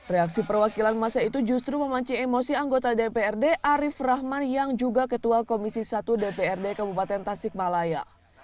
reaksi perwakilan masa itu justru memancing emosi anggota dprd arief rahman yang juga ketua komisi satu dprd kabupaten tasikmalaya